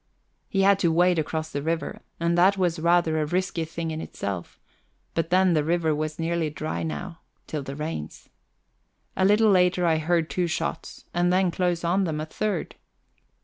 He had to wade across the river, and that was rather a risky thing in itself but then, the river was nearly dry now, till the rains. A little later I heard two shots, and then, close on them, a third.